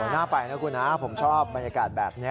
น่าไปนะคุณนะผมชอบบรรยากาศแบบนี้